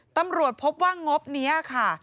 ตำรวจพบว่างบนี้ค่ะ